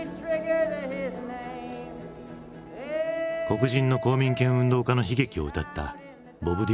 黒人の公民権運動家の悲劇を歌ったボブ・ディラン。